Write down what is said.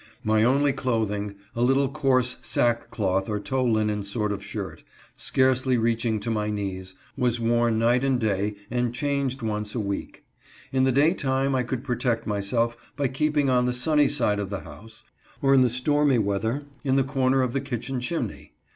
1 My only clothing — a little coarse sack cloth or tow linen sort of shirt, scarcely reaching to my knees, was worn night and day and changed once a week. In the day time I could protect myself by keeping on the sunny side of the house, or, in stormy weather, in the corner of the kitchen chimney.